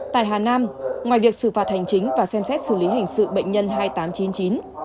tại hà nam ngoài việc xử phạt hành chính và xem xét xử lý hình sự bệnh nhân hai nghìn tám trăm chín mươi chín